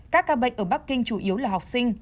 các ca bệnh ở bắc kinh chủ yếu là học sinh